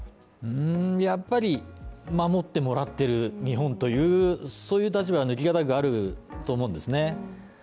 やっぱり守ってもらってる日本というそういう立場の生き方があると思うんですね。